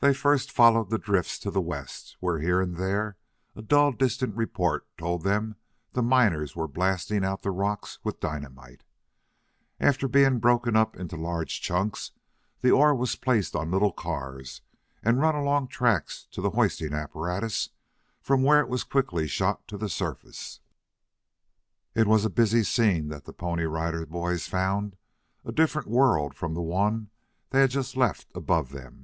They first followed the drifts to the west where here and there a dull distant report told them the miners were blasting out the rocks with dynamite. After being broken up into large chunks the ore was placed on little cars and run along tracks to the hoisting apparatus from where it was quickly shot to the surface. It was a busy scene that the Pony Rider Boys found a different world from the one they had just left above them.